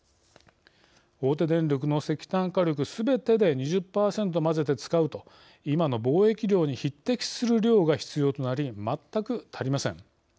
大手電力の石炭火力すべてで２０％混ぜて使うと今の貿易量に匹敵する量が必要となり、全く足りません。